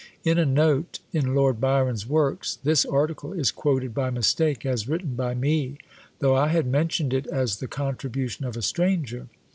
In a note in Lord Byron's works, this article is quoted by mistake as written by me, though I had mentioned it as the contribution of a stranger.